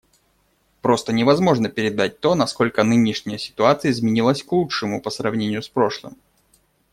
Просто невозможно передать то, насколько нынешняя ситуация изменилась к лучшему, по сравнению с прошлым.